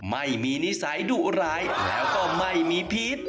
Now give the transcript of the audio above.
ไม่มีนิสัยดุร้ายแล้วก็ไม่มีพีศ